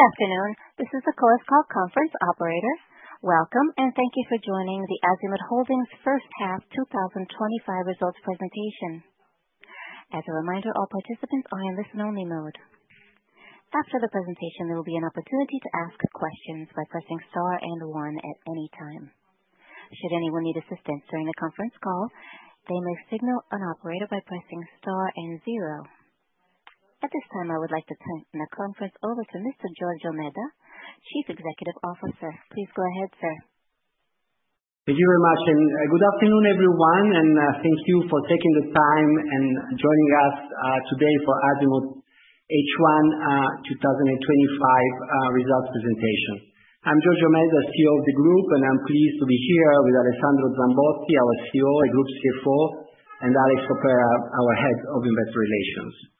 Good afternoon. This is the Chorus Call conference operator. Welcome, and thank you for joining the Azimut Holding's first half 2025 results presentation. As a reminder, all participants are in listen-only mode. After the presentation, there will be an opportunity to ask questions by pressing star and one at any time. Should anyone need assistance during the conference call, they may signal an operator by pressing star and zero. At this time, I would like to turn the conference over to Mr. Giorgio Medda, Chief Executive Officer. Please go ahead, sir. Thank you very much, and good afternoon, everyone, and thank you for taking the time and joining us today for Azimut H1 2025 results presentation. I'm Giorgio Medda, CEO of the group, and I'm pleased to be here with Alessandro Zambotti, our Group CFO, and Alex Soppera, our Head of Investor Relations.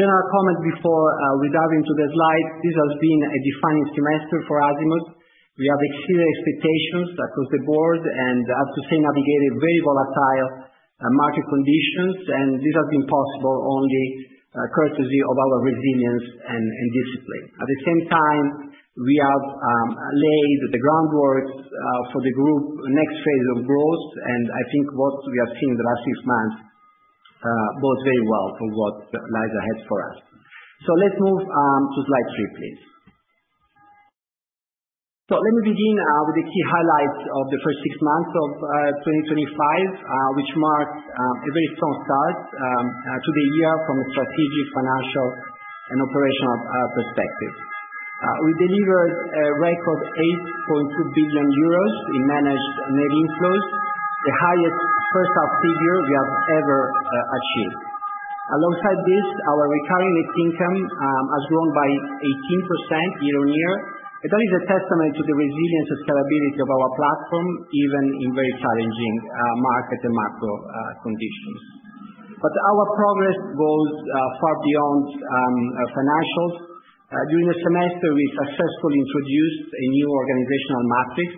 General comments before we dive into the slides. This has been a defining semester for Azimut. We have exceeded expectations across the board and, I have to say, navigated very volatile market conditions, and this has been possible only courtesy of our resilience and discipline. At the same time, we have laid the groundwork for the group's next phase of growth, and I think what we have seen in the last six months bodes very well for what lies ahead for us, so let's move to slide three, please. Let me begin with the key highlights of the first six months of 2025, which marked a very strong start to the year from a strategic, financial, and operational perspective. We delivered a record 8.2 billion euros in managed net inflows, the highest first-half figure we have ever achieved. Alongside this, our recurring net income has grown by 18% year-on-year. That is a testament to the resilience and scalability of our platform, even in very challenging market and macro conditions. Our progress goes far beyond financials. During the semester, we successfully introduced a new organizational matrix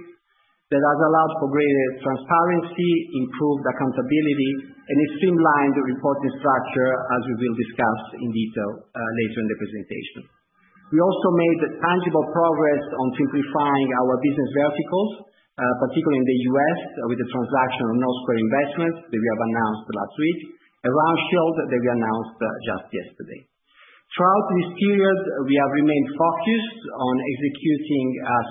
that has allowed for greater transparency, improved accountability, and a streamlined reporting structure, as we will discuss in detail later in the presentation. We also made tangible progress on simplifying our business verticals, particularly in the U.S., with the transaction of North Square Investments that we have announced last week, and RoundShield that we announced just yesterday. Throughout this period, we have remained focused on executing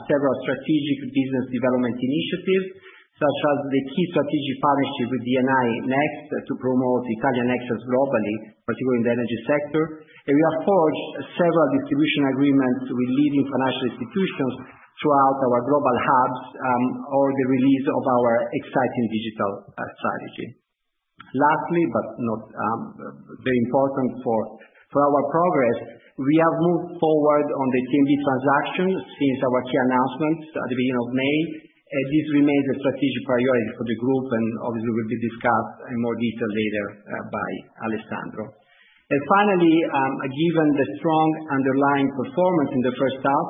several strategic business development initiatives, such as the key strategic partnership with Eni Next to promote Italian access globally, particularly in the energy sector, and we have forged several distribution agreements with leading financial institutions throughout our global hubs or the release of our exciting digital strategy. Lastly, but not very important for our progress, we have moved forward on the TNB transaction since our key announcement at the beginning of May. This remains a strategic priority for the group, and obviously will be discussed in more detail later by Alessandro. And finally, given the strong underlying performance in the first half,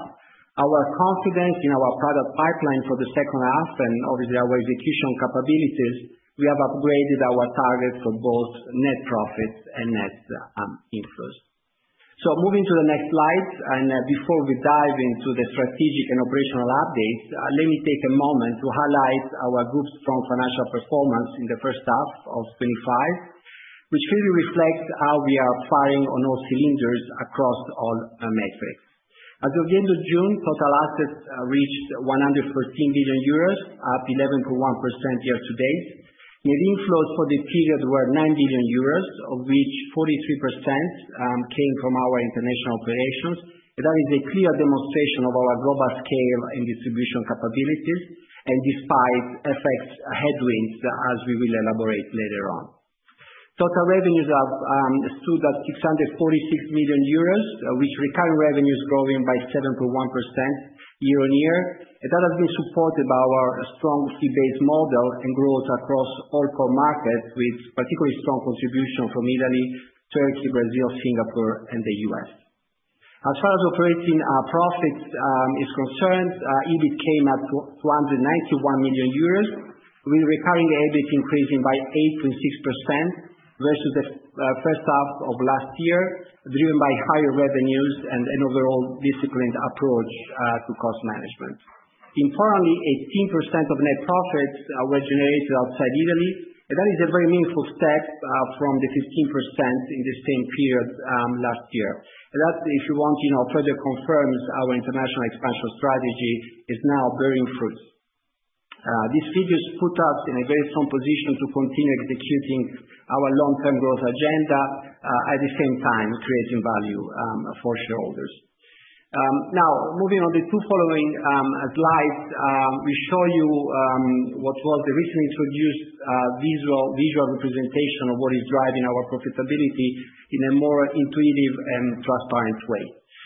our confidence in our product pipeline for the second half, and obviously our execution capabilities, we have upgraded our targets for both net profits and net inflows. So moving to the next slide. And before we dive into the strategic and operational updates, let me take a moment to highlight our group's strong financial performance in the first half of 2025, which clearly reflects how we are firing on all cylinders across all metrics. As of the end of June, total assets reached 114 billion euros, up 11.1% year-to-date. Net inflows for the period were 9 billion euros, of which 43% came from our international operations. And that is a clear demonstration of our global scale and distribution capabilities, and despite FX headwinds, as we will elaborate later on. Total revenues have stood at 646 million euros, with recurring revenues growing by 7.1% year-on-year. And that has been supported by our strong fee-based model and growth across all core markets, with particularly strong contribution from Italy, Turkey, Brazil, Singapore, and the U.S. As far as operating profits are concerned, EBIT came at 291 million euros, with recurring EBIT increasing by 8.6% versus the first half of last year, driven by higher revenues and an overall disciplined approach to cost management. Importantly, 18% of net profits were generated outside Italy. And that is a very meaningful step from the 15% in the same period last year. And that, if you want to know, further confirms our international expansion strategy is now bearing fruit. This figure puts us in a very strong position to continue executing our long-term growth agenda, at the same time creating value for shareholders. Now, moving on to the two following slides, we show you what was the recently introduced visual representation of what is driving our profitability in a more intuitive and transparent way,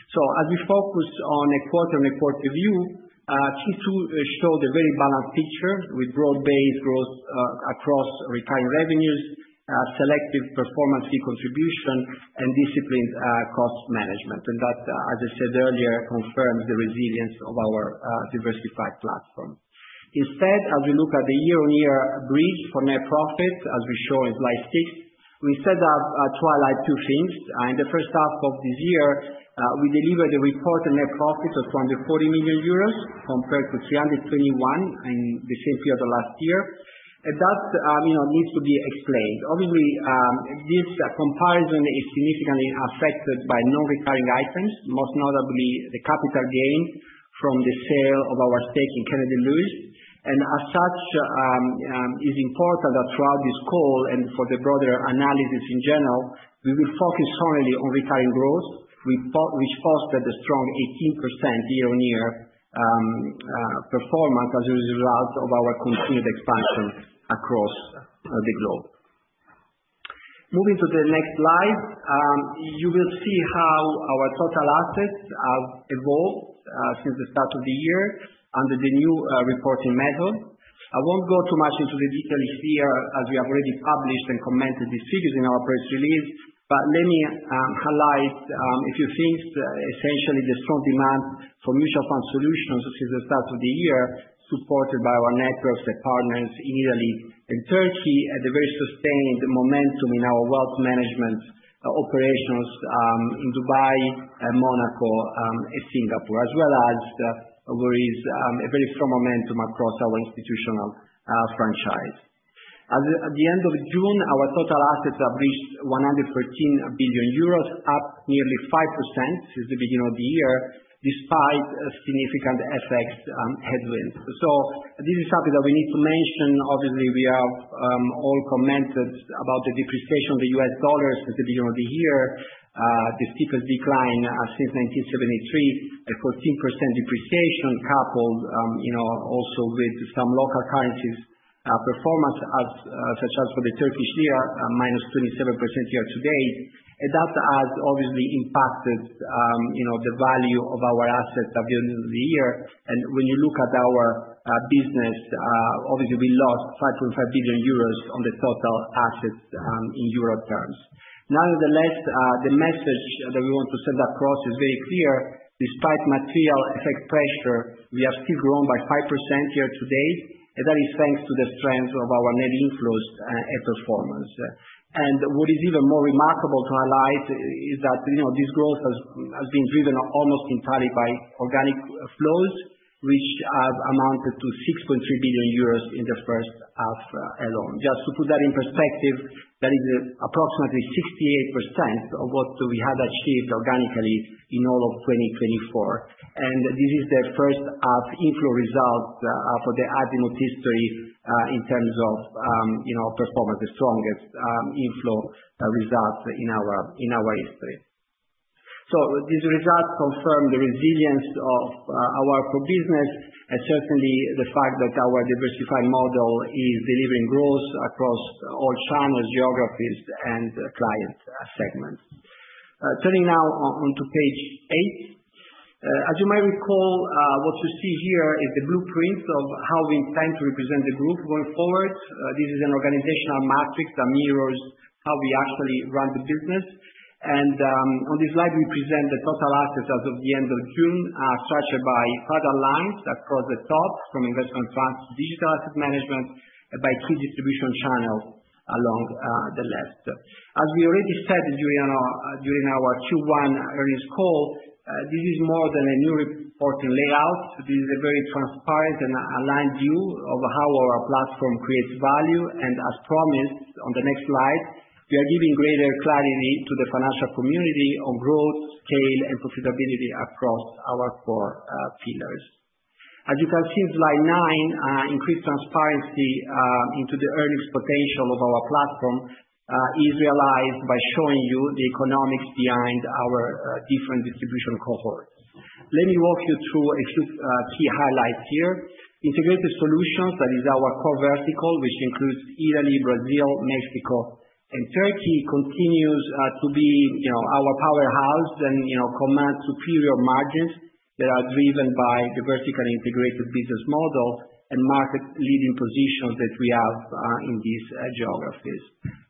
so as we focus on a quarter-on-quarter view, key to show the very balanced picture with broad-based growth across recurring revenues, selective performance fee contribution, and disciplined cost management, and that, as I said earlier, confirms the resilience of our diversified platform. Instead, as we look at the year-on-year bridge for net profit, as we show in slide six, we instead have to highlight two things. In the first half of this year, we delivered a reported net profit of 240 million euros compared to 321 million in the same period of last year, and that needs to be explained. Obviously, this comparison is significantly affected by non-recurring items, most notably the capital gain from the sale of our stake in Kennedy Lewis. And as such, it is important that throughout this call and for the broader analysis in general, we will focus solely on recurring growth, which fostered a strong 18% year-on-year performance as a result of our continued expansion across the globe. Moving to the next slide, you will see how our total assets have evolved since the start of the year under the new reporting method. I won't go too much into the detail here, as we have already published and commented these figures in our press release. But let me highlight a few things. Essentially, the strong demand for mutual fund solutions since the start of the year, supported by our networks and partners in Italy and Turkey, and the very sustained momentum in our wealth management operations in Dubai, Monaco, and Singapore, as well as where there is a very strong momentum across our institutional franchise. At the end of June, our total assets have reached 113 billion euros, up nearly 5% since the beginning of the year, despite significant FX headwinds, so this is something that we need to mention. Obviously, we have all commented about the depreciation of the US dollar since the beginning of the year, the steepest decline since 1973, a 14% depreciation coupled also with some local currencies' performance, such as for the Turkish lira, -27% year-to-date, and that has, obviously, impacted the value of our assets at the end of the year. And when you look at our business, obviously, we lost 5.5 billion euros on the total assets in euro terms. Nonetheless, the message that we want to send across is very clear. Despite material effect pressure, we have still grown by 5% year-to-date. And that is thanks to the strength of our net inflows and performance. And what is even more remarkable to highlight is that this growth has been driven almost entirely by organic flows, which have amounted to 6.3 billion euros in the first half alone. Just to put that in perspective, that is approximately 68% of what we have achieved organically in all of 2024. And this is the first half inflow result for the Azimut history in terms of performance, the strongest inflow result in our history. So these results confirm the resilience of our core business and certainly the fact that our diversified model is delivering growth across all channels, geographies, and client segments. Turning now to page eight. As you might recall, what you see here is the blueprint of how we intend to represent the group going forward. This is an organizational matrix that mirrors how we actually run the business. And on this slide, we present the total assets as of the end of June, structured by product lines across the top from investment funds to digital asset management, by key distribution channels along the left. As we already said during our Q1 earnings call, this is more than a new reporting layout. This is a very transparent and aligned view of how our platform creates value. As promised on the next slide, we are giving greater clarity to the financial community on growth, scale, and profitability across our core pillars. As you can see in slide nine, increased transparency into the earnings potential of our platform is realized by showing you the economics behind our different distribution cohorts. Let me walk you through a few key highlights here. Integrated Solutions, that is our core vertical, which includes Italy, Brazil, Mexico, and Turkey, continues to be our powerhouse and commands superior margins that are driven by the vertical integrated business model and market-leading positions that we have in these geographies.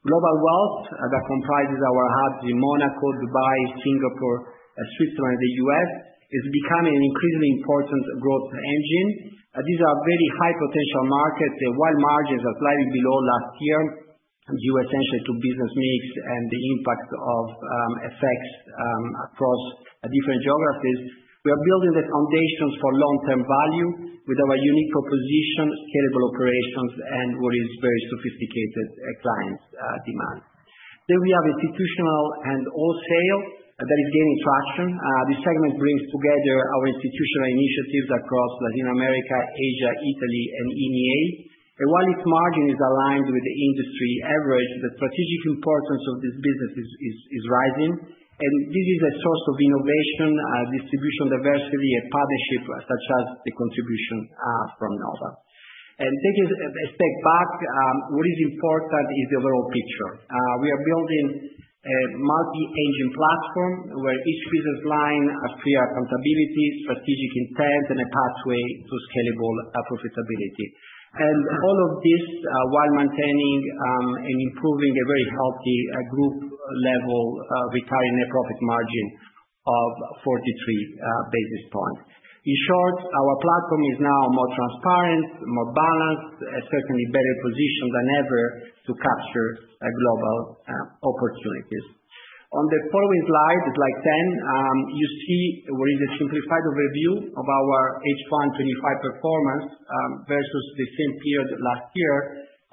Global Wealth that comprises our hubs in Monaco, Dubai, Singapore, Switzerland, and the U.S. is becoming an increasingly important growth engine. These are very high-potential markets. The wide margins are slightly below last year, due essentially to business mix and the impact of FX effects across different geographies. We are building the foundations for long-term value with our unique proposition, scalable operations, and what is very sophisticated client demand. Then we have institutional and wholesale that is gaining traction. This segment brings together our institutional initiatives across Latin America, Asia, Italy, and EMEA. And while its margin is aligned with the industry average, the strategic importance of this business is rising. And this is a source of innovation, distribution diversity, and partnership, such as the contribution from Nova. And taking a step back, what is important is the overall picture. We are building a multi-engine platform where each business line has clear accountability, strategic intent, and a pathway to scalable profitability. And all of this while maintaining and improving a very healthy group-level recurring net profit margin of 43 basis points. In short, our platform is now more transparent, more balanced, and certainly better positioned than ever to capture global opportunities. On the following slide, slide 10, you see what is a simplified overview of our H1 2025 performance versus the same period last year,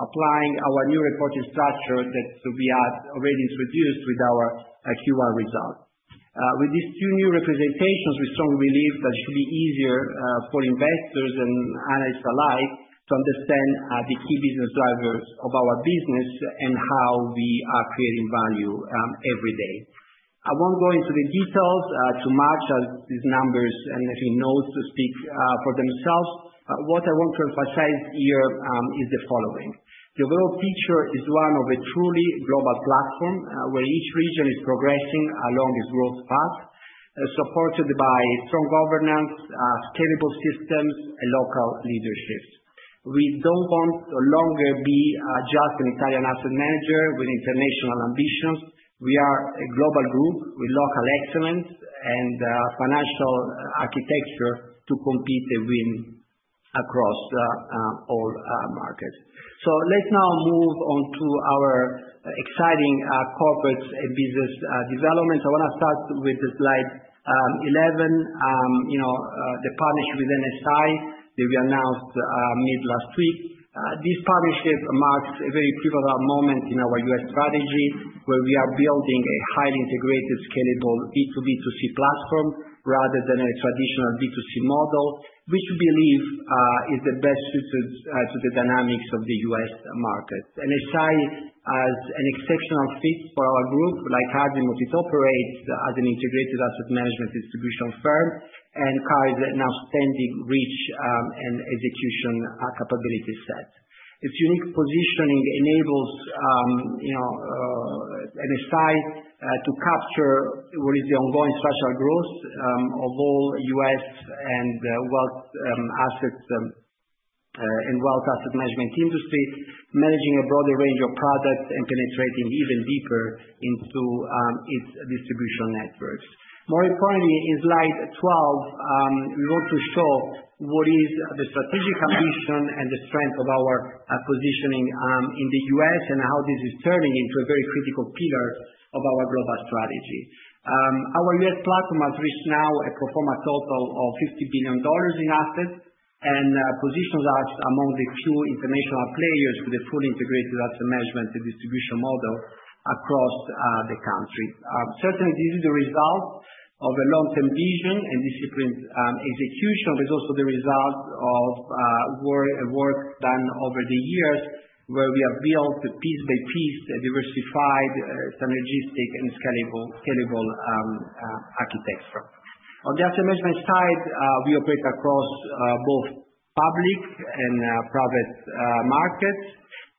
applying our new reporting structure that we have already introduced with our Q1 result. With these two new representations, we strongly believe that it should be easier for investors and analysts alike to understand the key business drivers of our business and how we are creating value every day. I won't go into the details too much, as these numbers and a few notes speak for themselves. But what I want to emphasize here is the following. The overall picture is one of a truly global platform where each region is progressing along its growth path, supported by strong governance, scalable systems, and local leadership. We no longer want to be just an Italian asset manager with international ambitions. We are a global group with local excellence and financial architecture to compete and win across all markets. So let's now move on to our exciting corporate business development. I want to start with slide 11, the partnership with NSI that we announced mid-last week. This partnership marks a very pivotal moment in our U.S. strategy, where we are building a highly integrated, scalable B2B2C platform rather than a traditional B2C model, which we believe is the best suited to the dynamics of the U.S. market. NSI has an exceptional fit for our group, like Azimut, it operates as an integrated asset management distribution firm and carries an outstanding reach and execution capability set. Its unique positioning enables NSI to capture what is the ongoing structural growth of all U.S. and wealth assets and wealth asset management industry, managing a broader range of products and penetrating even deeper into its distribution networks. More importantly, in slide 12, we want to show what is the strategic ambition and the strength of our positioning in the U.S. and how this is turning into a very critical pillar of our global strategy. Our U.S. platform has reached now a pro forma total of $50 billion in assets and positions us among the few international players with a fully integrated asset management and distribution model across the country. Certainly, this is the result of a long-term vision and disciplined execution, but it's also the result of work done over the years where we have built piece by piece a diversified, synergistic, and scalable architecture. On the asset management side, we operate across both public and private markets,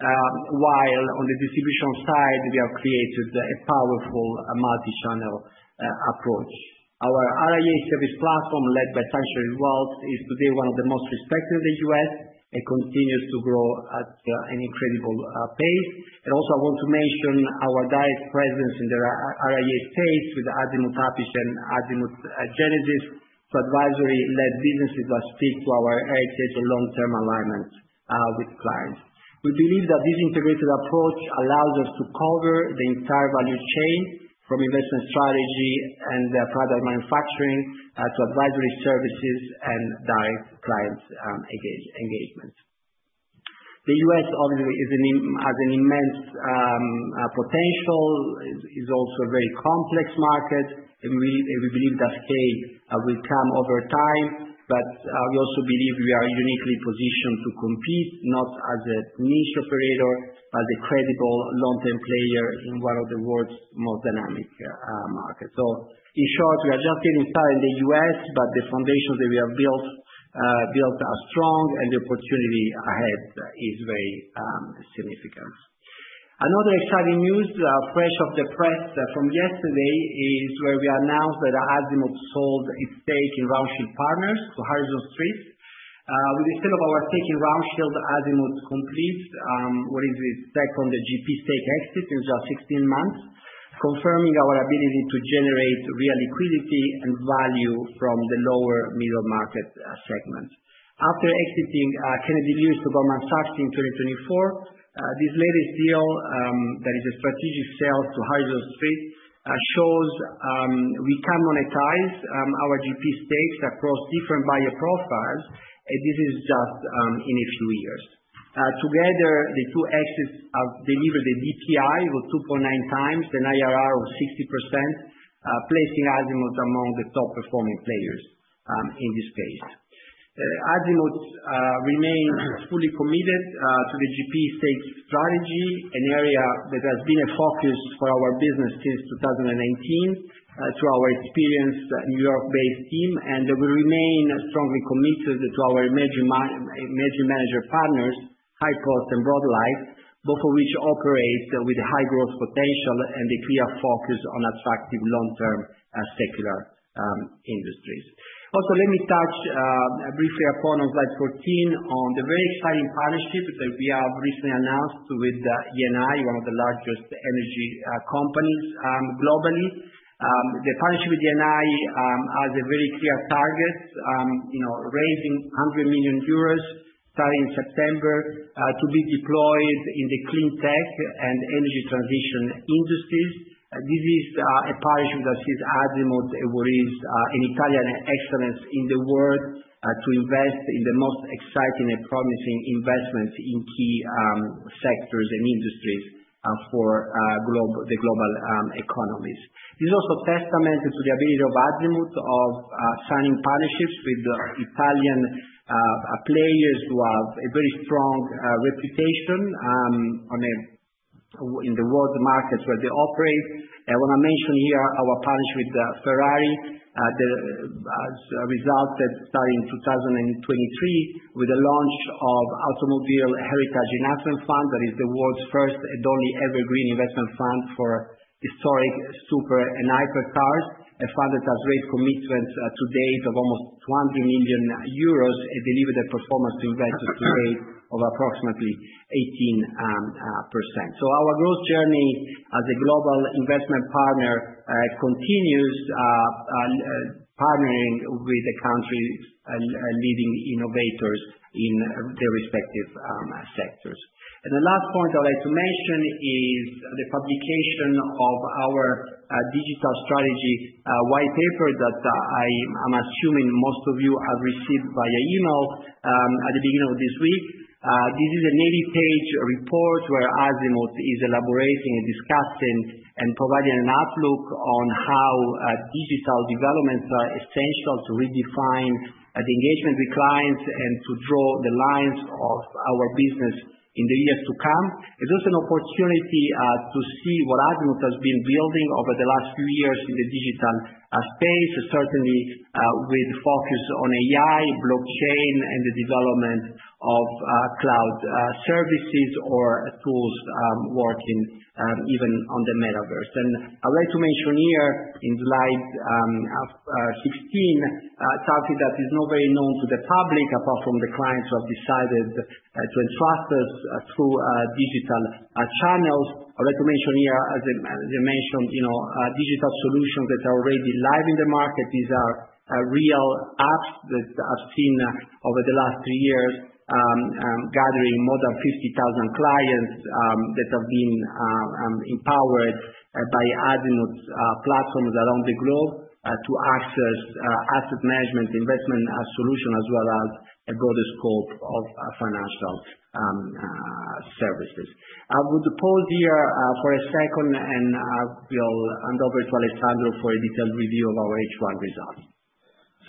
while on the distribution side, we have created a powerful multi-channel approach. Our RIA service platform, led by Sanctuary Wealth, is today one of the most respected in the U.S. and continues to grow at an incredible pace. And also, I want to mention our direct presence in the RIA space with Azimut HighPost and Azimut Genesis for advisory-led businesses that speak to our heritage and long-term alignment with clients. We believe that this integrated approach allows us to cover the entire value chain, from investment strategy and product manufacturing to advisory services and direct client engagement. The U.S., obviously, has an immense potential. It's also a very complex market, and we believe that scale will come over time. But we also believe we are uniquely positioned to compete, not as a niche operator, but as a credible long-term player in one of the world's most dynamic markets. So in short, we are just getting started in the U.S., but the foundations that we have built are strong, and the opportunity ahead is very significant. Another exciting news, fresh off the press from yesterday, is where we announced that Azimut sold its stake in RoundShield Partners to Horizon Street. With the sale of our stake in RoundShield, Azimut completes what is the second GP stake exit in just 16 months, confirming our ability to generate real liquidity and value from the lower middle market segment. After exiting Kennedy Lewis to Goldman Sachs in 2024, this latest deal that is a strategic sale to Horizon Street shows we can monetize our GP stakes across different buyer profiles, and this is just in a few years. Together, the two exits have delivered a DPI of 2.9x, an IRR of 60%, placing Azimut among the top-performing players in this space. Azimut remains fully committed to the GP stake strategy, an area that has been a focus for our business since 2019, to our experienced New York-based team, and will remain strongly committed to our emerging manager partners, HighPost and BroadLight, both of which operate with high growth potential and a clear focus on attractive long-term secular industries. Also, let me touch briefly upon slide 14 on the very exciting partnership that we have recently announced with Eni, one of the largest energy companies globally. The partnership with Eni has very clear targets, raising 100 million euros starting in September to be deployed in the clean tech and energy transition industries. This is a partnership that sees Azimut, what is an Italian excellence in the world, to invest in the most exciting and promising investments in key sectors and industries for the global economies. This is also a testament to the ability of Azimut of signing partnerships with Italian players who have a very strong reputation in the world markets where they operate. I want to mention here our partnership with Ferrari, the result that started in 2023 with the launch of Automobile Heritage Enhancement, that is the world's first and only evergreen investment fund for historic super and hypercars, a fund that has raised commitments to date of almost 200 million euros and delivered a performance to investors to date of approximately 18%. Our growth journey as a global investment partner continues partnering with the country's leading innovators in their respective sectors. The last point I'd like to mention is the publication of our digital strategy white paper that I'm assuming most of you have received via email at the beginning of this week. This is a 90-page report where Azimut is elaborating and discussing and providing an outlook on how digital developments are essential to redefine the engagement with clients and to draw the lines of our business in the years to come. It's also an opportunity to see what Azimut has been building over the last few years in the digital space, certainly with focus on AI, blockchain, and the development of cloud services or tools working even on the metaverse. I'd like to mention here in slide 16 something that is not very known to the public, apart from the clients who have decided to entrust us through digital channels. I'd like to mention here, as I mentioned, digital solutions that are already live in the market. These are real apps that I've seen over the last three years gathering more than 50,000 clients that have been empowered by Azimut's platforms around the globe to access asset management investment solutions as well as a broader scope of financial services. I would pause here for a second, and we'll hand over to Alessandro for a detailed review of our H1 results.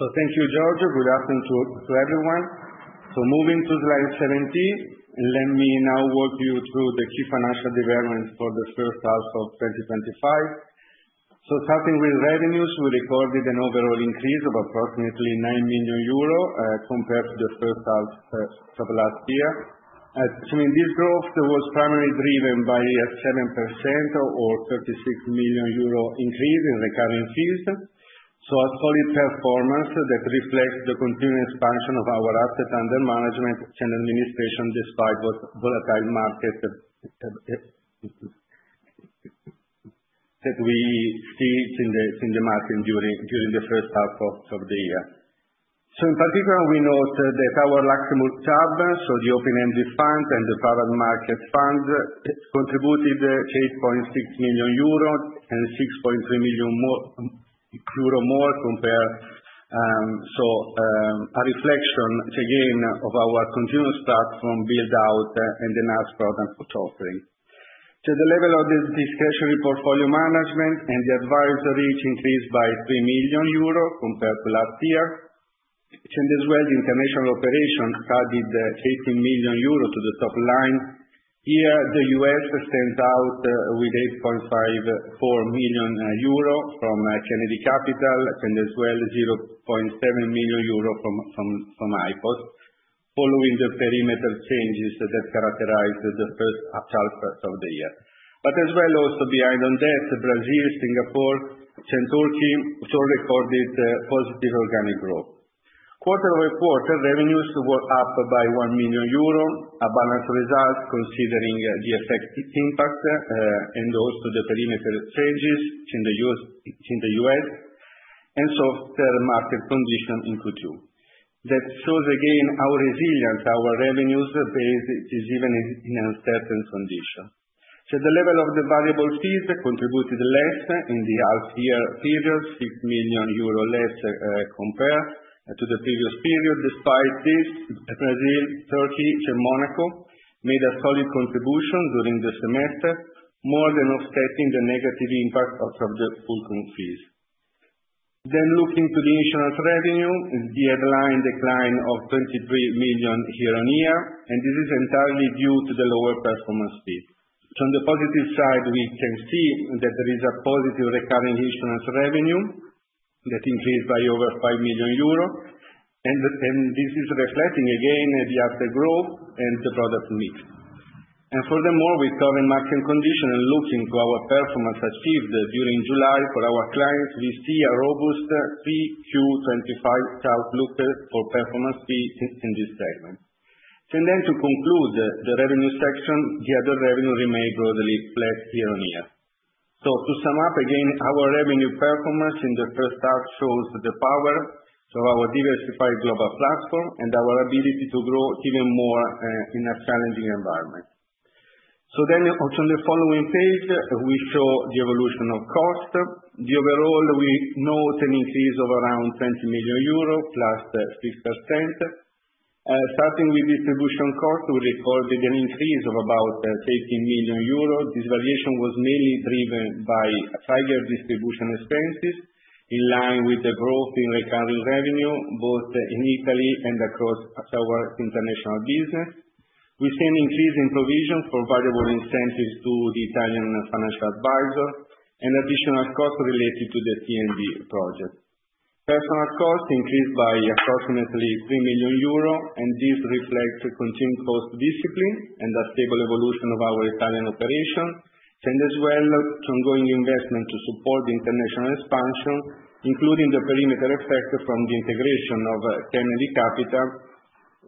Thank you, Giorgio. Good afternoon to everyone. Moving to slide 17, let me now walk you through the key financial developments for the first half of 2025. Starting with revenues, we recorded an overall increase of approximately 9 million euro compared to the first half of last year. In this growth, it was primarily driven by a 7% or 36 million euro increase in recurring fees. A solid performance that reflects the continued expansion of our assets under management and administration despite the volatile market that we see in the market during the first half of the year. In particular, we note that our Luxembourg, so the open-ended fund and the private market fund, contributed 8.6 million euro and 6.3 million more compared. A reflection, again, of our continuous platform build-out and the vast product portfolio. At the level of the discretionary portfolio management and the advisory increased by 3 million euros compared to last year. As well, International Operations added 18 million euro to the top line. Here, the U.S. stands out with 8.4 million euro from Kennedy Lewis, Sanctuary Wealth EUR 0.7 million from HighPost following the perimeter changes that characterized the first half of the year. But as well, also behind on that, Brazil, Singapore, and Turkey also recorded positive organic growth. Quarter-over-quarter, revenues were up by 1 million euro, a balanced result considering the effect impact and also the perimeter changes in the U.S. and soft market condition in Q2. That shows, again, our resilience, our revenues base, is even in uncertain condition. To the level of the variable fees, they contributed less in the half-year period, 6 million euro less compared to the previous period. Despite this, Brazil, Turkey, and Monaco made a solid contribution during the semester, more than offsetting the negative impact of the full-time fees. Then looking to the insurance revenue, we had a line decline of 23 million year-on-year, and this is entirely due to the lower performance fee. So on the positive side, we can see that there is a positive recurring insurance revenue that increased by over 5 million euros, and this is reflecting, again, the asset growth and the product mix. And furthermore, with current market conditions and looking to our performance achieved during July for our clients, we see a robust 3Q 2025 outlook for performance fee in this segment. And then to conclude the revenue section, the other revenue remained broadly flat year-on-year. So to sum up, again, our revenue performance in the first half shows the power of our diversified global platform and our ability to grow even more in a challenging environment. So then on the following page, we show the evolution of cost. Overall, we note an increase of around 20 million euro +6%. Starting with distribution cost, we recorded an increase of about 18 million euro. This variation was mainly driven by higher distribution expenses in line with the growth in recurring revenue, both in Italy and across our international business. We see an increase in provision for variable incentives to the Italian financial advisor and additional costs related to the T&D project. Personal costs increased by approximately 3 million euro, and this reflects continued cost discipline and a stable evolution of our Italian operation. Meanwhile, ongoing investment to support the international expansion, including the perimeter effect from the integration of Kennedy Capital,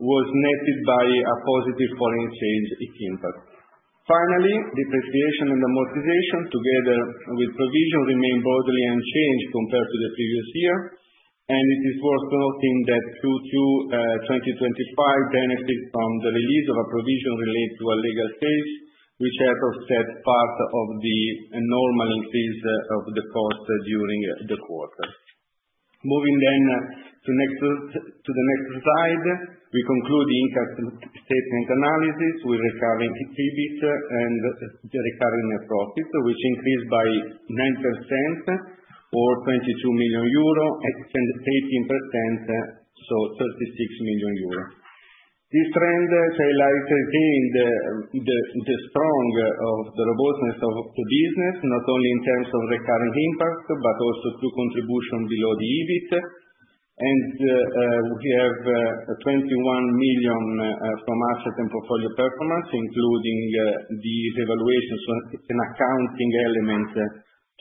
was netted by a positive foreign exchange impact. Finally, depreciation and amortization, together with provision, remained broadly unchanged compared to the previous year. It is worth noting that 2Q 2025 benefited from the release of a provision related to a legal case, which had offset part of the normal increase of the cost during the quarter. Moving then to the next slide, we conclude the income statement analysis with recurring EBIT and recurring profit, which increased by 9% or 22 million euro and 18%, so 36 million euro. This trend, I like to say, indicates the strength of the robustness of the business, not only in terms of recurring impact, but also through contribution below the EBIT. We have 21 million from asset and portfolio performance, including the revaluation and accounting elements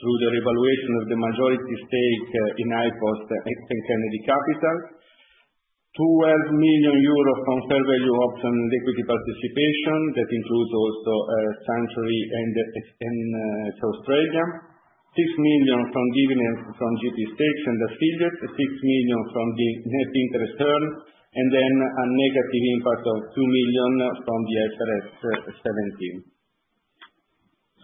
through the revaluation of the majority stake in HighPost and Kennedy Capital. 12 million euros from fair value option and equity participation that includes also Sanctuary and South Australia. 6 million from dividends from GP stakes and affiliates. 6 million from net interest earned. And then a negative impact of 2 million from the IFRS 17.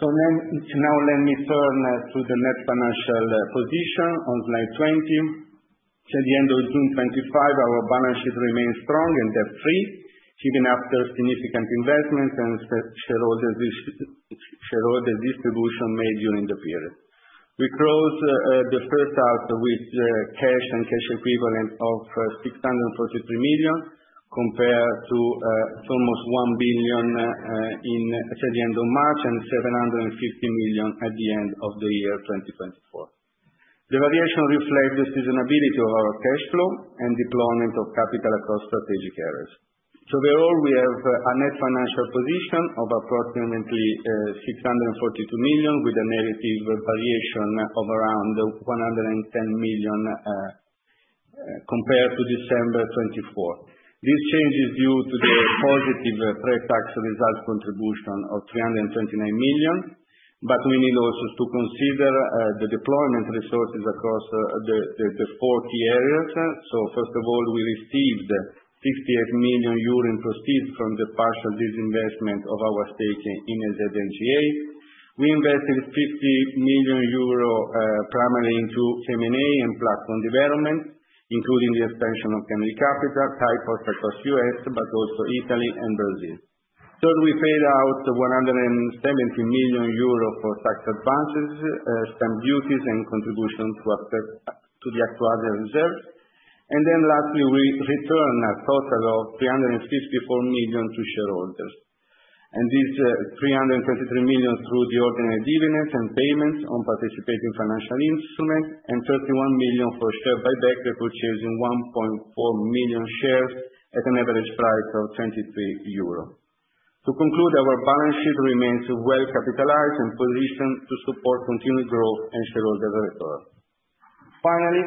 So now let me turn to the net financial position on slide 20. To the end of June 2025, our balance sheet remained strong and debt-free, even after significant investments and shareholder distribution made during the period. We closed the first half with cash and cash equivalent of 643 million compared to almost 1 billion at the end of March and 750 million at the end of the year 2024. The variation reflects the seasonality of our cash flow and deployment of capital across strategic areas. So overall, we have a net financial position of approximately 642 million with a negative variation of around 110 million compared to December 2024. This change is due to the positive pre-tax result contribution of 329 million. But we need also to consider the deployment resources across the 40 areas. So first of all, we received 68 million euro in proceeds from the partial disinvestment of our stake in AZ NGA. We invested 50 million euro primarily into M&A and platform development, including the expansion of Kennedy Lewis, HighPost across the U.S., but also Italy and Brazil. Third, we paid out 170 million euros for tax advances, stamp duties, and contributions to the actuarial reserve. And then lastly, we returned a total of 354 million to shareholders. And this 323 million through the ordinary dividends and payments on participating financial instruments and 31 million for share buyback, repurchasing 1.4 million shares at an average price of 23 euros. To conclude, our balance sheet remains well capitalized and positioned to support continued growth and shareholder return. Finally,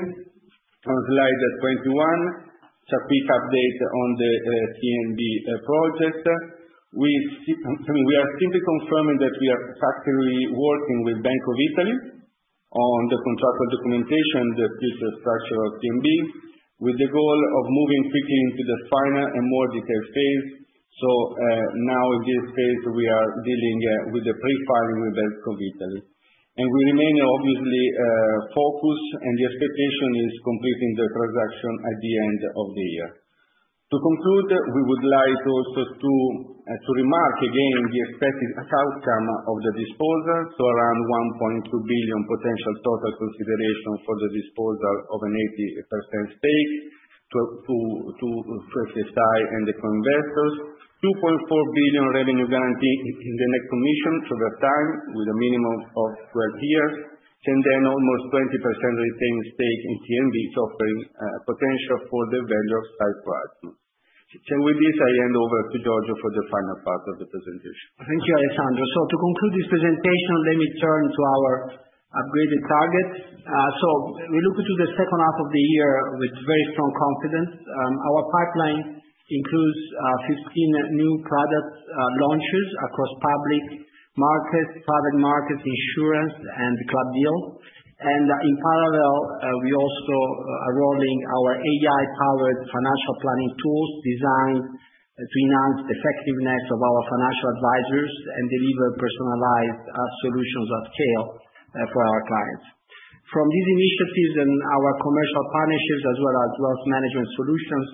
on slide 21, a quick update on the TNB project. We are simply confirming that we are actively working with Bank of Italy on the contractual documentation and the future structure of TNB, with the goal of moving quickly into the final and more detailed phase. So now, in this phase, we are dealing with the pre-filing with Bank of Italy. And we remain, obviously, focused, and the expectation is completing the transaction at the end of the year. To conclude, we would like also to remark again the expected outcome of the disposal, so around 1.2 billion potential total consideration for the disposal of an 80% stake to FSI and the co-investors. 2.4 billion revenue guarantee in the next 10-year commitment to that time with a minimum of 12 years. And then almost 20% retained stake in TNB, offering potential for the value upside. With this, I hand over to Giorgio for the final part of the presentation. Thank you, Alessandro. So to conclude this presentation, let me turn to our upgraded target. So we look to the second half of the year with very strong confidence. Our pipeline includes 15 new product launches across public markets, private markets, insurance, and club deals. And in parallel, we also are rolling our AI-powered financial planning tools designed to enhance the effectiveness of our financial advisors and deliver personalized solutions at scale for our clients. From these initiatives and our commercial partnerships, as well as wealth management solutions,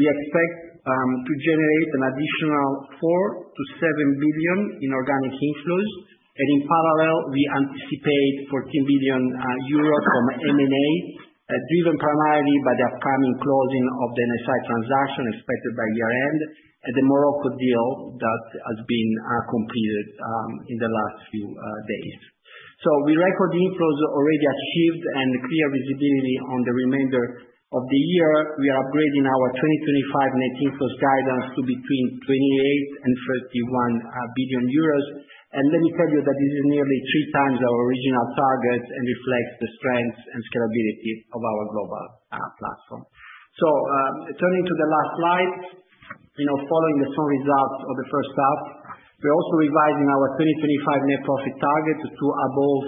we expect to generate an additional 4 billion-7 billion in organic inflows. And in parallel, we anticipate 14 billion euros from M&A, driven primarily by the upcoming closing of the NSI transaction expected by year-end and the Monaco deal that has been completed in the last few days. We record the inflows already achieved and clear visibility on the remainder of the year. We are upgrading our 2025 net inflows guidance to between 28 billion and 31 billion euros. Let me tell you that this is nearly three times our original target and reflects the strength and scalability of our global platform. Turning to the last slide, following the strong results of the first half, we're also revising our 2025 net profit target to above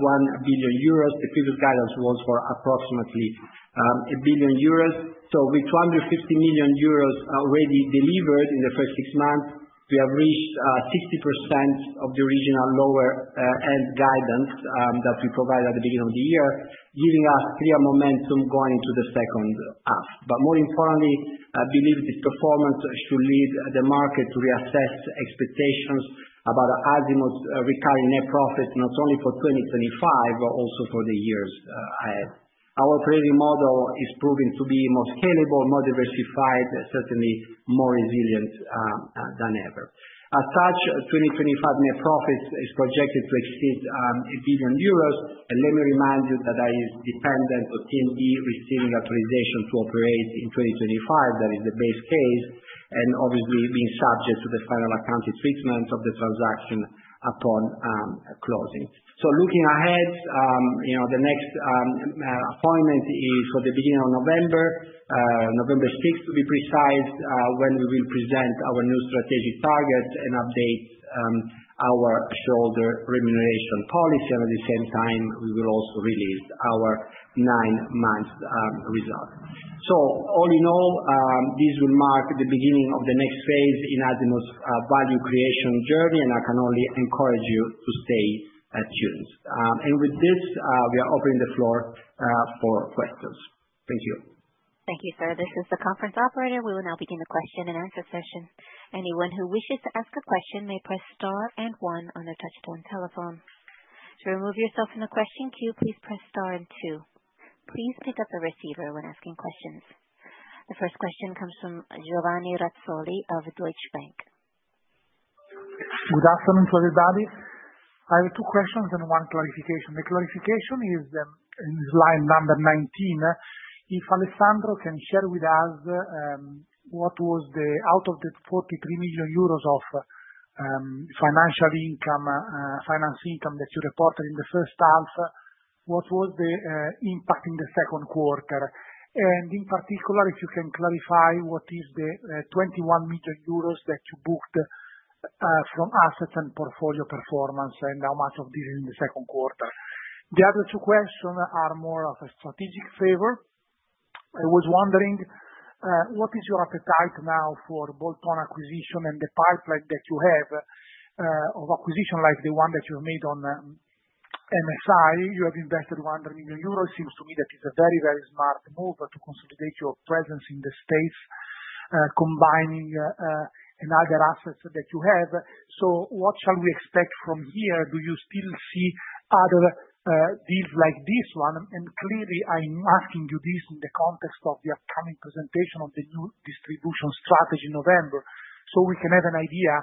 1 billion euros. The previous guidance was for approximately 1 billion euros. With 250 million euros already delivered in the first six months, we have reached 60% of the original lower-end guidance that we provided at the beginning of the year, giving us clear momentum going into the second half. But more importantly, I believe this performance should lead the market to reassess expectations about Azimut's recurring net profits, not only for 2025, but also for the years ahead. Our operating model is proving to be more scalable, more diversified, certainly more resilient than ever. As such, 2025 net profits is projected to exceed 1 billion euros. And let me remind you that it is dependent on TNB receiving authorization to operate in 2025. That is the base case and obviously being subject to the final accounting treatment of the transaction upon closing. So looking ahead, the next appointment is for the beginning of November, November 6, to be precise, when we will present our new strategic targets and update our shareholder remuneration policy. And at the same time, we will also release our nine-month results. So all in all, this will mark the beginning of the next phase in Azimut's value creation journey, and I can only encourage you to stay tuned. And with this, we are opening the floor for questions. Thank you. Thank you, sir. This is the conference operator. We will now begin the question and answer session. Anyone who wishes to ask a question may press star and one on their touch-tone telephone. To remove yourself from the question queue, please press star and two. Please pick up the receiver when asking questions. The first question comes from Giovanni Razzoli of Deutsche Bank. Good afternoon to everybody. I have two questions and one clarification. The clarification is line number 19. If Alessandro can share with us what was the out of the 43 million euros of financial income, finance income that you reported in the first half, what was the impact in the second quarter? And in particular, if you can clarify what is the 21 million euros that you booked from assets and portfolio performance and how much of this is in the second quarter. The other two questions are more of a strategic favor. I was wondering what is your appetite now for bolt-on acquisition and the pipeline that you have of acquisition like the one that you've made on MSI? You have invested 100 million euros. It seems to me that it's a very, very smart move to consolidate your presence in the states, combining other assets that you have. So what shall we expect from here? Do you still see other deals like this one? And clearly, I'm asking you this in the context of the upcoming presentation of the new distribution strategy in November so we can have an idea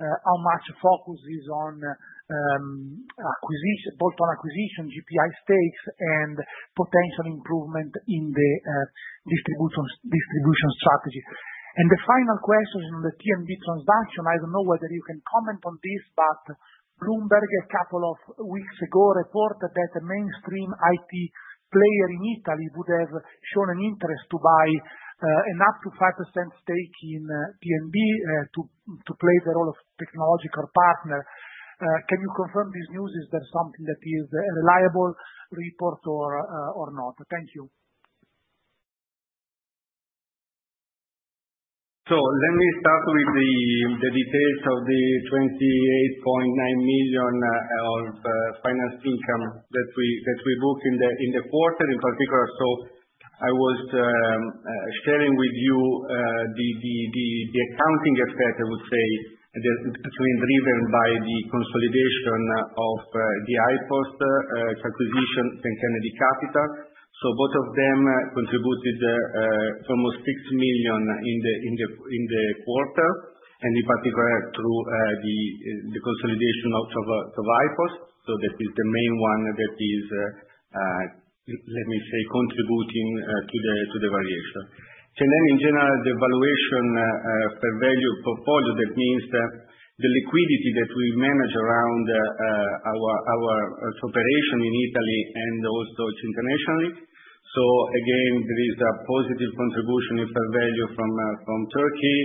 how much focus is on bolt-on acquisition, GP stakes, and potential improvement in the distribution strategy. And the final question on the TNB transaction, I don't know whether you can comment on this, but Bloomberg, a couple of weeks ago, reported that a mainstream IT player in Italy would have shown an interest to buy an up to 5% stake in TNB to play the role of technological partner. Can you confirm this news? Is that something that is a reliable report or not? Thank you. Let me start with the details of the 28.9 million of finance income that we booked in the quarter in particular. I was sharing with you the accounting effect, I would say, that has been driven by the consolidation of the HighPost acquisition and Kennedy Capital. Both of them contributed almost 6 million in the quarter and in particular through the consolidation of HighPost. That is the main one that is, let me say, contributing to the variation. Then in general, the fair value portfolio, that means the liquidity that we manage in our operations in Italy and also internationally. Again, there is a positive contribution in fair value from Turkey,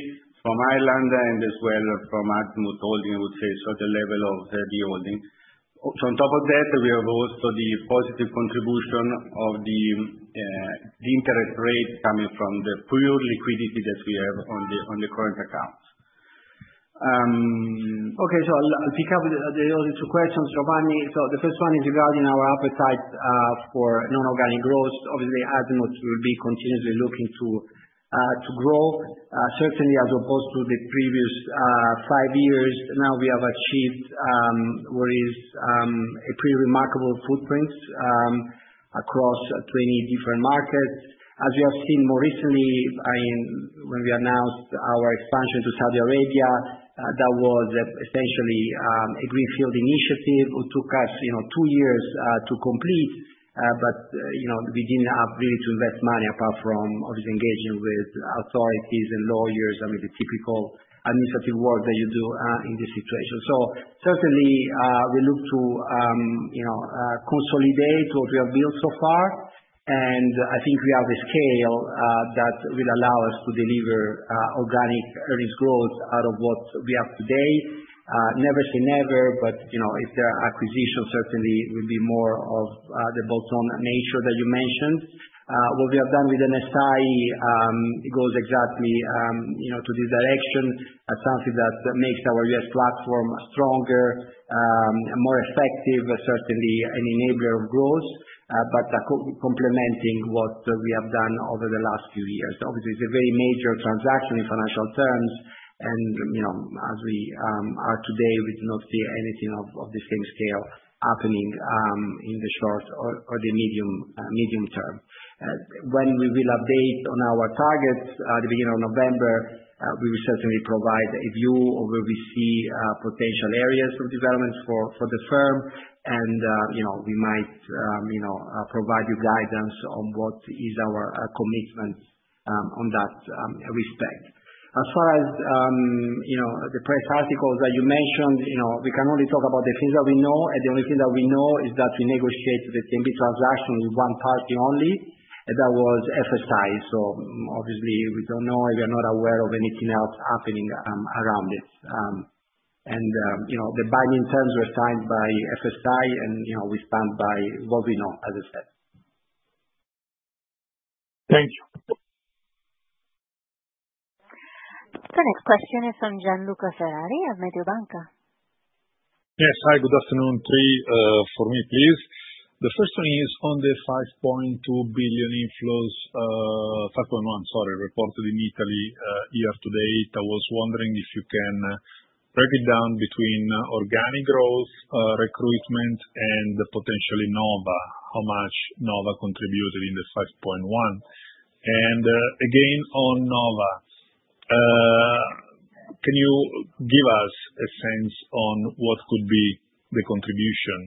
from Ireland, and as well from Azimut Holding, I would say, so the level of the holding. So on top of that, we have also the positive contribution of the interest rate coming from the pure liquidity that we have on the current account. Okay, so I'll pick up the other two questions, Giovanni. So the first one is regarding our appetite for non-organic growth. Obviously, Azimut will be continuously looking to grow. Certainly, as opposed to the previous five years, now we have achieved what is a pretty remarkable footprint across 20 different markets. As we have seen more recently, when we announced our expansion to Saudi Arabia, that was essentially a greenfield initiative who took us two years to complete. But we didn't have really to invest money apart from, obviously, engaging with authorities and lawyers, I mean, the typical administrative work that you do in this situation. So certainly, we look to consolidate what we have built so far. I think we have a scale that will allow us to deliver organic earnings growth out of what we have today. Never say never, but if there are acquisitions, certainly will be more of the bolt-on nature that you mentioned. What we have done with NSI goes exactly to this direction. That's something that makes our U.S. platform stronger, more effective, certainly an enabler of growth, but complementing what we have done over the last few years. Obviously, it's a very major transaction in financial terms. As we are today, we do not see anything of the same scale happening in the short or the medium term. When we will update on our targets at the beginning of November, we will certainly provide a view of where we see potential areas of development for the firm. We might provide you guidance on what is our commitment on that respect. As far as the press articles that you mentioned, we can only talk about the things that we know. The only thing that we know is that we negotiated the TNB transaction with one party only, and that was FSI. So obviously, we don't know. We are not aware of anything else happening around it. The binding terms were signed by FSI, and we stand by what we know, as I said. Thank you. The next question is from Gianluca Ferrari of Mediobanca. Yes. Hi, good afternoon to you for me, please. The first one is on the 5.2 billion inflows, 5.1 billion, sorry, reported in Italy year-to-date. I was wondering if you can break it down between organic growth, recruitment, and potentially Nova, how much Nova contributed in the 5.1 billion. And again, on Nova, can you give us a sense on what could be the contribution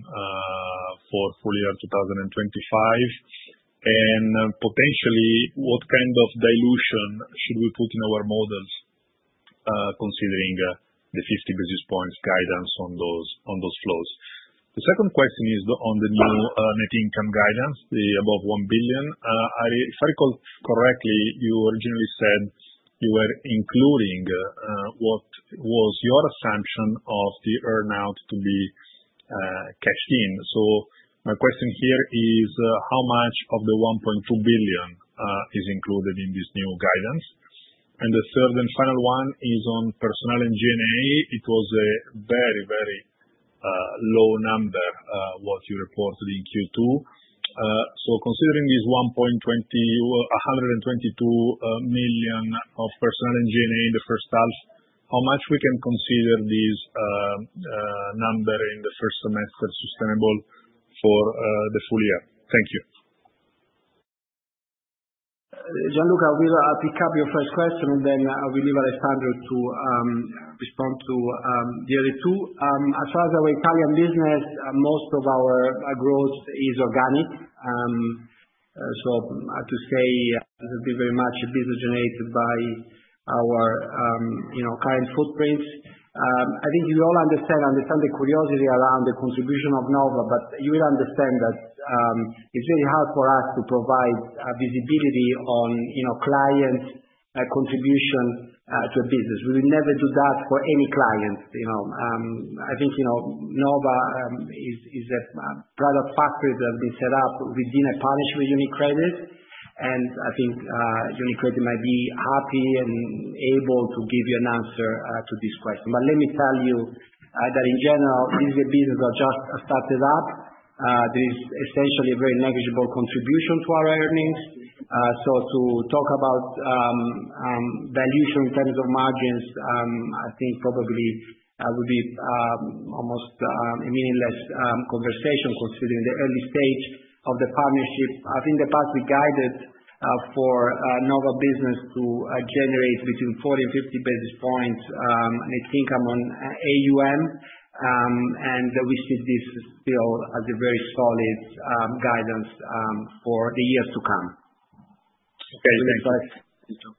for full year 2025? And potentially, what kind of dilution should we put in our models, considering the 50 basis points guidance on those flows? The second question is on the new net income guidance, the above 1 billion. If I recall correctly, you originally said you were including what was your assumption of the earnout to be cashed in. So my question here is, how much of the 1.2 billion is included in this new guidance? The third and final one is on personnel and G&A. It was a very, very low number what you reported in Q2. Considering this 122 million of personnel and G&A in the first half, how much we can consider this number in the first semester sustainable for the full year? Thank you. Gianluca, we'll pick up your first question, and then I will leave Alessandro to respond to the other two. As far as our Italian business, most of our growth is organic, so I have to say it has been very much business-generated by our current footprints. I think we all understand the curiosity around the contribution of Nova, but you will understand that it's very hard for us to provide visibility on client contribution to a business. We will never do that for any client. I think Nova is a product factory that has been set up within a partnership with UniCredit, and I think UniCredit might be happy and able to give you an answer to this question, but let me tell you that in general, this is a business that just started up. There is essentially a very negligible contribution to our earnings. So to talk about dilution in terms of margins, I think probably would be almost a meaningless conversation considering the early stage of the partnership. I think in the past, we guided for Nova business to generate between 40 basis points and 50 basis points net income on AUM. And we see this still as a very solid guidance for the years to come. Okay. Thank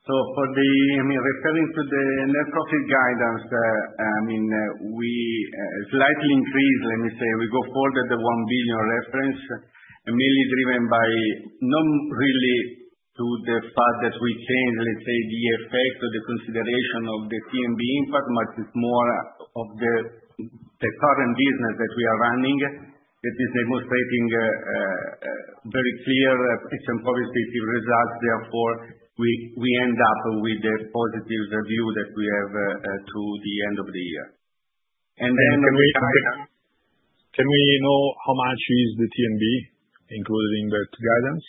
you. So for the, I mean, referring to the net profit guidance, I mean, we slightly increased, let me say, we go forward at the 1 billion reference, mainly driven by not really to the fact that we changed, let's say, the effect of the consideration of the TNB impact, but it's more of the current business that we are running that is demonstrating very clear potential positive results. Therefore, we end up with a positive view that we have to the end of the year. And then on the. Can we know how much is the TNB included in that guidance?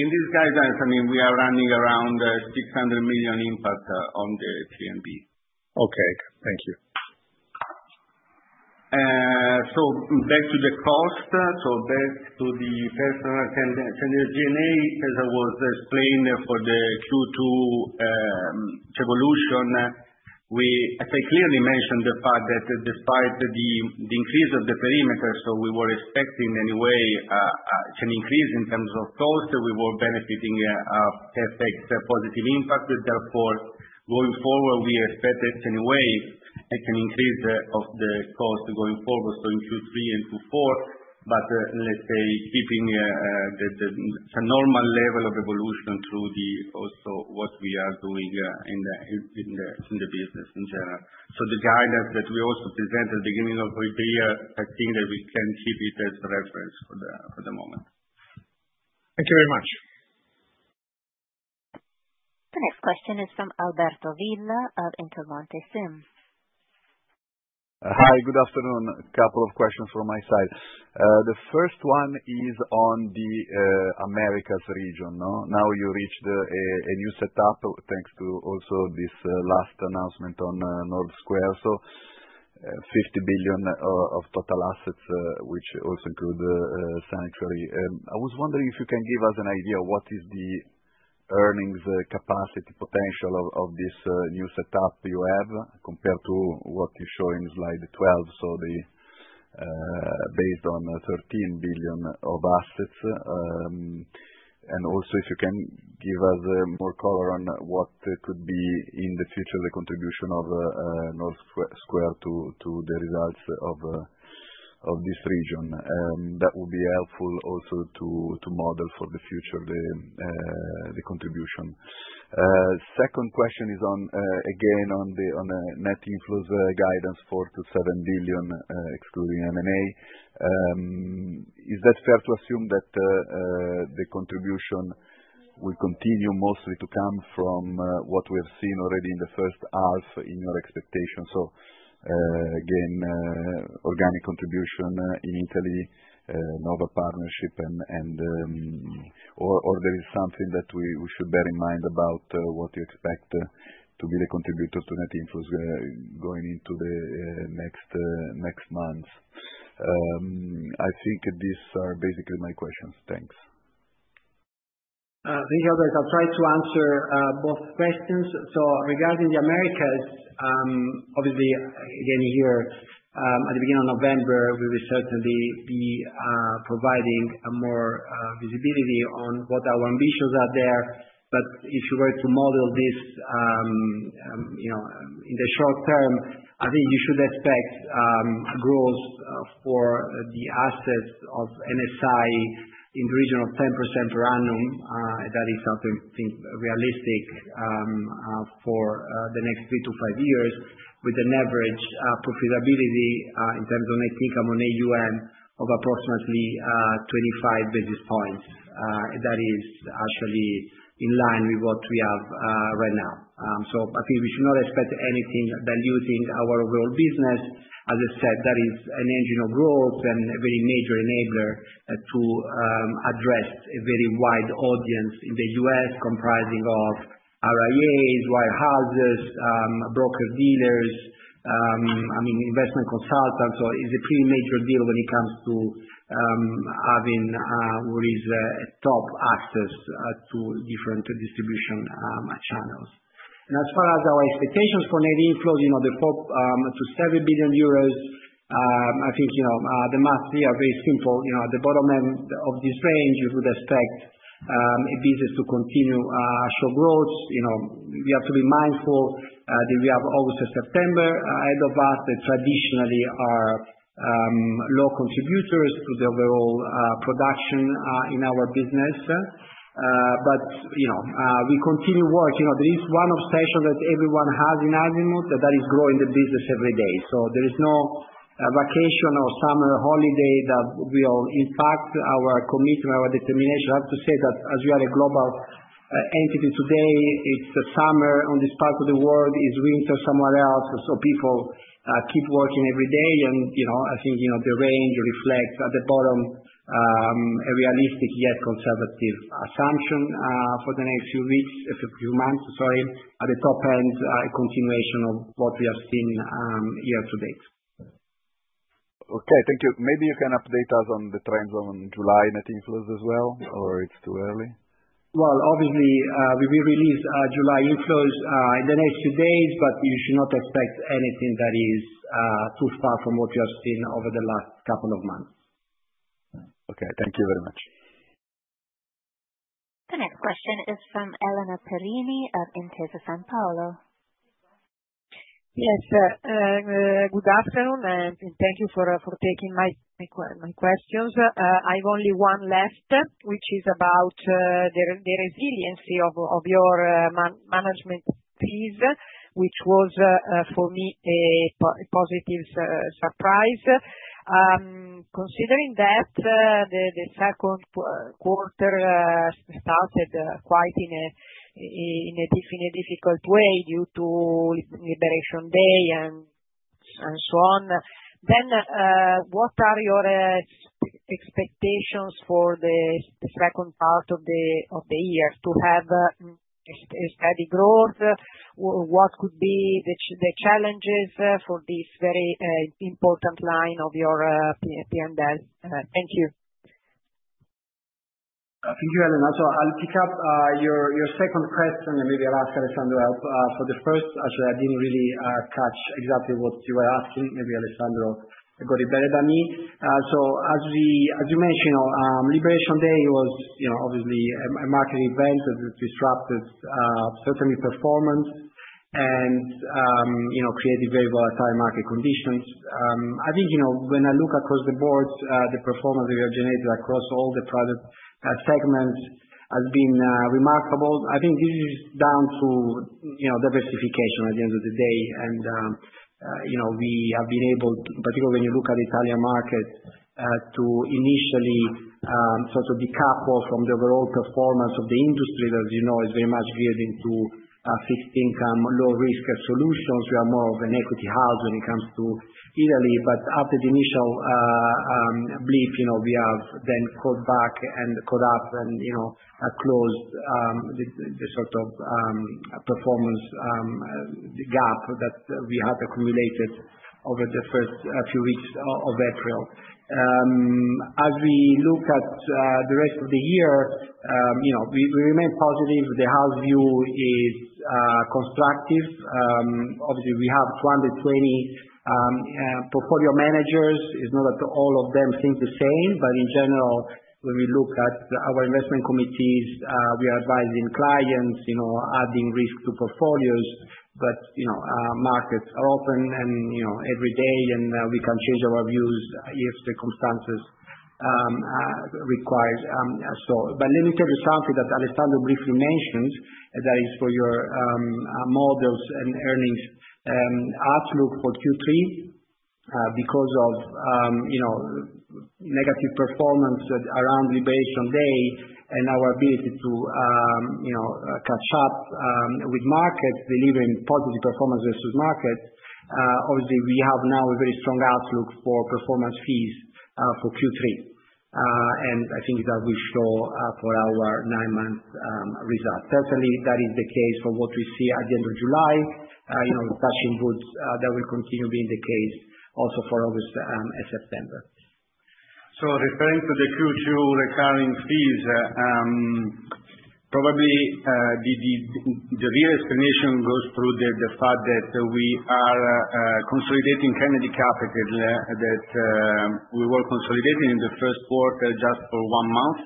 In this guidance, I mean, we are running around 600 million impact on the TNB. Okay. Thank you. So back to the cost. So back to the personnel and G&A, as I was explaining for the Q2 evolution, I clearly mentioned the fact that despite the increase of the perimeter, so we were expecting anyway it can increase in terms of cost, we were benefiting of effect positive impact. Therefore, going forward, we expect it anyway, it can increase of the cost going forward, so in Q3 and Q4, but let's say keeping the normal level of evolution through the also what we are doing in the business in general. So the guidance that we also presented at the beginning of the year, I think that we can keep it as a reference for the moment. Thank you very much. The next question is from Alberto Villa of Intermonte SIM. Hi, good afternoon. A couple of questions from my side. The first one is on the Americas region. Now you reached a new setup thanks to also this last announcement on North Square. So 50 billion of total assets, which also include Sanctuary. I was wondering if you can give us an idea of what is the earnings capacity potential of this new setup you have compared to what you show in slide 12. So based on 13 billion of assets. And also if you can give us more color on what could be in the future the contribution of North Square to the results of this region. That would be helpful also to model for the future the contribution. Second question is again on the net inflows guidance for 7 billion excluding M&A. Is that fair to assume that the contribution will continue mostly to come from what we have seen already in the first half in your expectation? So again, organic contribution in Italy, Nova partnership, and or there is something that we should bear in mind about what you expect to be the contributor to net inflows going into the next months? I think these are basically my questions. Thanks. Thank you, Alberto. I've tried to answer both questions. So regarding the Americas, obviously, again here at the beginning of November, we will certainly be providing more visibility on what our ambitions are there. But if you were to model this in the short term, I think you should expect growth for the assets of NSI in the region of 10% per annum. That is something I think realistic for the next three to five years with an average profitability in terms of net income on AUM of approximately 25 basis points. That is actually in line with what we have right now. So I think we should not expect anything diluting our overall business. As I said, that is an engine of growth and a very major enabler to address a very wide audience in the U.S. comprising of RIAs, wirehouses, broker-dealers, I mean, investment consultants. It's a pretty major deal when it comes to having what is top access to different distribution channels. As far as our expectations for net inflows, the 4 billion-7 billion euros, I think the assumptions are very simple. At the bottom end of this range, you would expect a business to continue to show growth. We have to be mindful that we have August and September ahead of us that traditionally are low contributors to the overall production in our business. But we continue working. There is one obsession that everyone has in Azimut that is growing the business every day. So there is no vacation or summer holiday that will impact our commitment, our determination. I have to say that as we are a global entity today, it's summer on this part of the world, it's winter somewhere else. So people keep working every day. And I think the range reflects at the bottom a realistic yet conservative assumption for the next few weeks, a few months, sorry. At the top end, a continuation of what we have seen year-to-date. Okay. Thank you. Maybe you can update us on the trends on July net inflows as well, or it's too early? Obviously, we will release July inflows in the next few days, but you should not expect anything that is too far from what you have seen over the last couple of months. Okay. Thank you very much. The next question is from Elena Perini of Intesa Sanpaolo. Yes. Good afternoon, and thank you for taking my questions. I have only one left, which is about the resiliency of your management piece, which was for me a positive surprise. Considering that the second quarter started quite in a difficult way due to Liberation Day and so on, then what are your expectations for the second part of the year? To have steady growth, what could be the challenges for this very important line of your P&L? Thank you. Thank you, Elena. So I'll pick up your second question, and maybe I'll ask Alessandro for the first. Actually, I didn't really catch exactly what you were asking. Maybe Alessandro got it better than me. So as you mentioned, Liberation Day was obviously a market event that disrupted certainly performance and created very volatile market conditions. I think when I look across the board, the performance that we have generated across all the product segments has been remarkable. I think this is down to diversification at the end of the day. And we have been able, particularly when you look at the Italian market, to initially sort of decouple from the overall performance of the industry that, as you know, is very much geared into fixed income, low-risk solutions. We are more of an equity house when it comes to Italy. But after the initial blip, we have then caught back and caught up and closed the sort of performance gap that we had accumulated over the first few weeks of April. As we look at the rest of the year, we remain positive. The house view is constructive. Obviously, we have 220 portfolio managers. It's not that all of them think the same, but in general, when we look at our investment committees, we are advising clients, adding risk to portfolios. But markets are open every day, and we can change our views if circumstances require. But let me tell you something that Alessandro briefly mentioned, that is for your models and earnings outlook for Q3. Because of negative performance around Liberation Day and our ability to catch up with markets, delivering positive performance versus markets, obviously, we have now a very strong outlook for performance fees for Q3. I think that will show for our nine-month result. Certainly, that is the case for what we see at the end of July, touching wood that will continue being the case also for August and September. So referring to the Q2 recurring fees, probably the real explanation goes through the fact that we are consolidating Kennedy Capital that we were consolidating in the first quarter just for one month.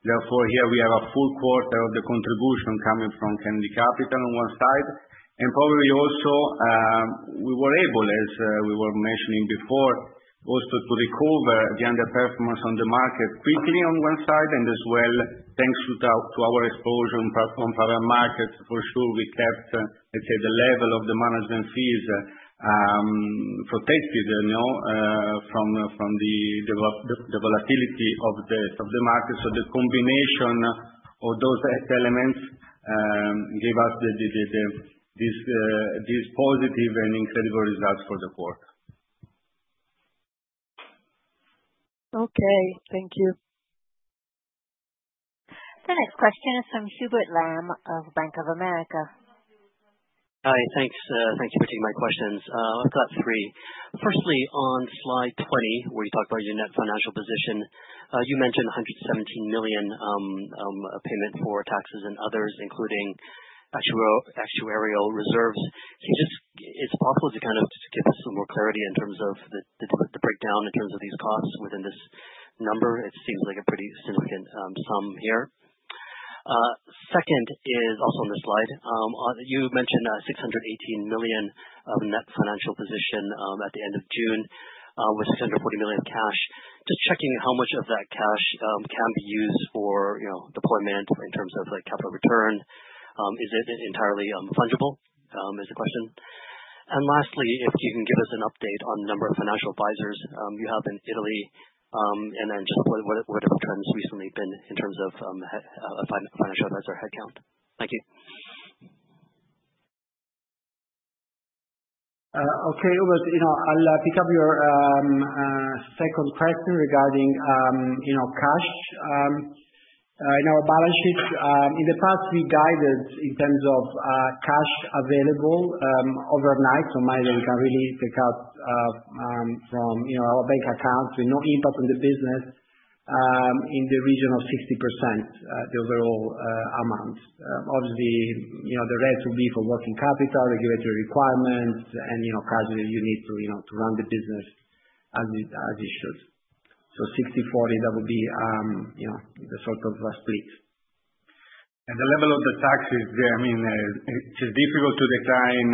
Therefore, here we have a full quarter of the contribution coming from Kennedy Capital on one side. And probably also we were able, as we were mentioning before, also to recover the underperformance on the market quickly on one side. And as well, thanks to our exposure on private markets, for sure, we kept, let's say, the level of the management fees protected from the volatility of the market. So the combination of those elements gave us these positive and incredible results for the quarter. Okay. Thank you. The next question is from Hubert Lam of Bank of America. Hi. Thanks for taking my questions. I've got three. Firstly, on slide 20, where you talk about your net financial position, you mentioned 117 million payment for taxes and others, including actuarial reserves. So it's possible to kind of give us some more clarity in terms of the breakdown in terms of these costs within this number. It seems like a pretty significant sum here. Second is also on this slide. You mentioned 618 million of net financial position at the end of June with 640 million of cash. Just checking how much of that cash can be used for deployment in terms of capital return. Is it entirely fungible is the question. And lastly, if you can give us an update on the number of financial advisors you have in Italy and then just what have the trends recently been in terms of financial advisor headcount. Thank you. Okay. I'll pick up your second question regarding cash in our balance sheet. In the past, we guided in terms of cash available overnight. So money that we can really take out from our bank accounts with no impact on the business in the region of 60%, the overall amount. Obviously, the rest will be for working capital, regulatory requirements, and cash you need to run the business as you should. So 60/40, that would be the sort of split. And the level of the taxes there, I mean, it is difficult to decline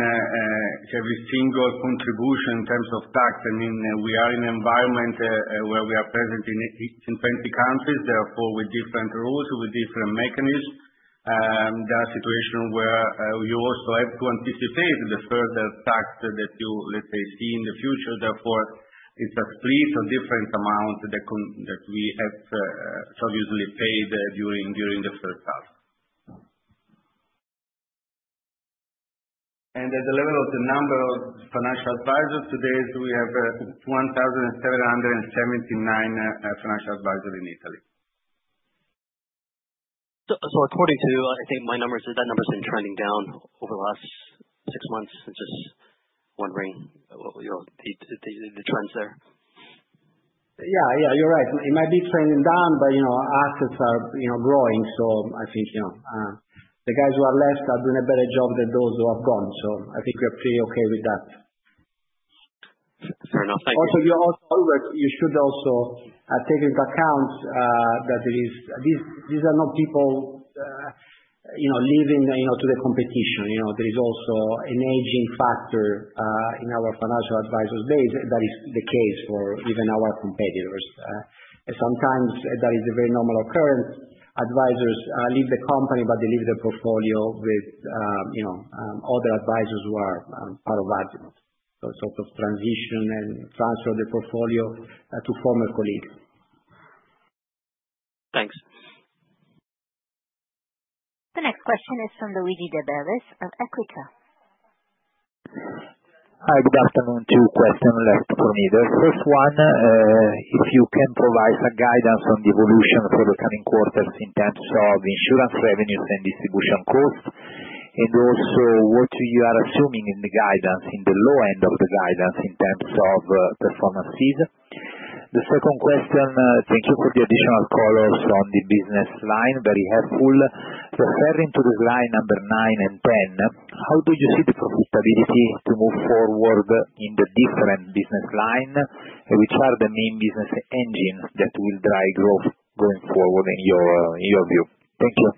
every single contribution in terms of tax. I mean, we are in an environment where we are present in 20 countries. Therefore, with different rules, with different mechanisms, there are situations where you also have to anticipate the further tax that you, let's say, see in the future. Therefore, it's a split of different amounts that we have previously paid during the first half. And at the level of the number of financial advisors today, we have 1,779 financial advisors in Italy. So, according to, I think, my numbers, that number has been trending down over the last six months. I'm just wondering the trends there. Yeah. Yeah. You're right. It might be trending down, but assets are growing. So I think the guys who are left are doing a better job than those who have gone. So I think we are pretty okay with that. Fair enough. Thank you. Also, you should also take into account that these are not people leaving to the competition. There is also an aging factor in our financial advisors base that is the case for even our competitors. Sometimes that is a very normal occurrence. Advisors leave the company, but they leave the portfolio with other advisors who are part of Azimut. So sort of transition and transfer the portfolio to former colleagues. Thanks. The next question is from Luigi De Bellis of Equita. Hi. Good afternoon. Two questions left for me. The first one, if you can provide some guidance on the evolution for the coming quarters in terms of insurance revenues and distribution costs, and also what you are assuming in the guidance, in the low end of the guidance in terms of performance fees. The second question, thank you for the additional call also on the business line. Very helpful. Referring to the slide number nine and 10, how do you see the profitability to move forward in the different business lines? Which are the main business engines that will drive growth going forward in your view? Thank you.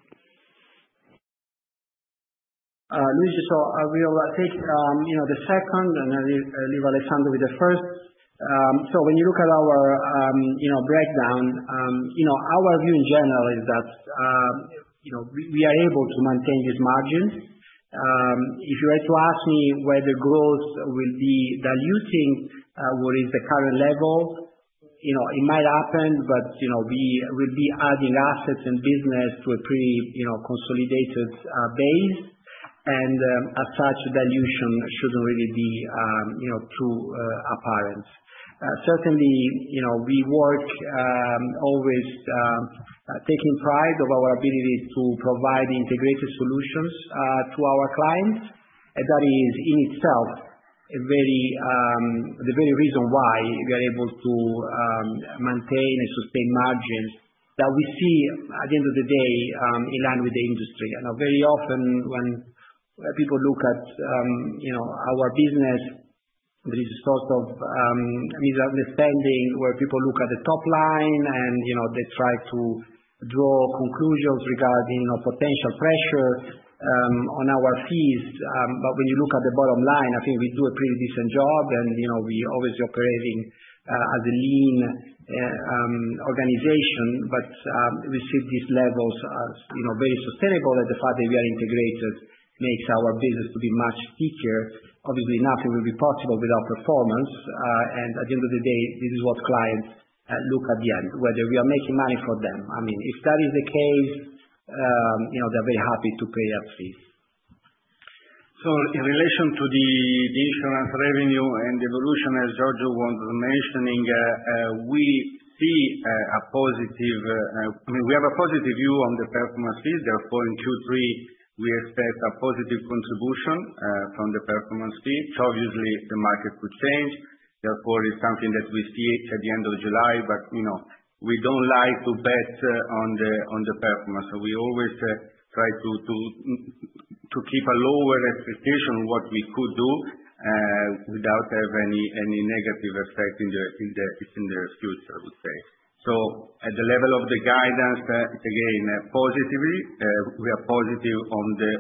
Luigi, so I will take the second and leave Alessandro with the first. So when you look at our breakdown, our view in general is that we are able to maintain these margins. If you were to ask me where the growth will be diluting, what is the current level, it might happen, but we will be adding assets and business to a pretty consolidated base. And as such, dilution shouldn't really be too apparent. Certainly, we work always taking pride of our ability to provide integrated solutions to our clients. That is in itself the very reason why we are able to maintain and sustain margins that we see at the end of the day in line with the industry. Very often when people look at our business, there is a sort of misunderstanding where people look at the top line and they try to draw conclusions regarding potential pressure on our fees. But when you look at the bottom line, I think we do a pretty decent job, and we're obviously operating as a lean organization, but we see these levels as very sustainable, and the fact that we are integrated makes our business to be much stickier. Obviously, nothing will be possible without performance. And at the end of the day, this is what clients look at, in the end, whether we are making money for them. I mean, if that is the case, they're very happy to pay a fee. So, in relation to the insurance revenue and evolution, as Giorgio was mentioning, we see a positive, I mean, we have a positive view on the performance fees. Therefore, in Q3, we expect a positive contribution from the performance fee. Obviously, the market could change. Therefore, it's something that we see at the end of July, but we don't like to bet on the performance. So we always try to keep a lower expectation of what we could do without having any negative effect in the future, I would say. So at the level of the guidance, it's again positive. We are positive on the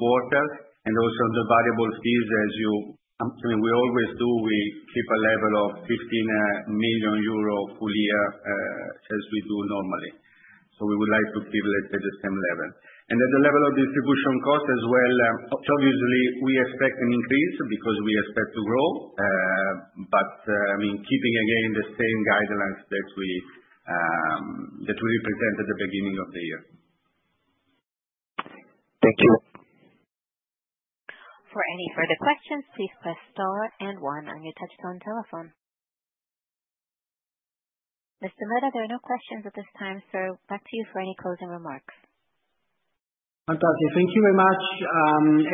quarter and also on the variable fees, as you, I mean, we always do. We keep a level of 15 million euro full year as we do normally. So we would like to keep, let's say, the same level. At the level of distribution costs as well, obviously, we expect an increase because we expect to grow. I mean, keeping again the same guidelines that we presented at the beginning of the year. Thank you. For any further questions, please press star and one on your touch-tone telephone. Mr. Medda, are there no questions at this time? So back to you for any closing remarks. Fantastic. Thank you very much,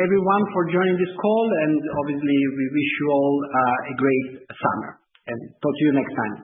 everyone, for joining this call, and obviously, we wish you all a great summer, and talk to you next time.